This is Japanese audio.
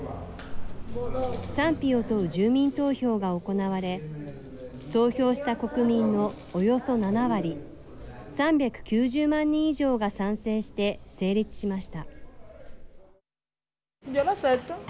賛否を問う住民投票が行われ投票した国民のおよそ７割３９０万人以上が賛成して成立しました。